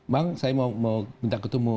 bang saya mau minta ketemu